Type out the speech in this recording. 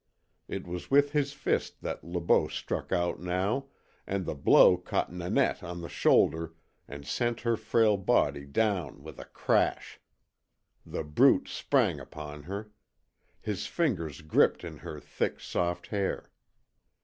It was with his fist that Le Beau struck out now, and the blow caught Nanette on the shoulder and sent her frail body down with a crash. The Brute sprang upon her. His fingers gripped in her thick, soft hair.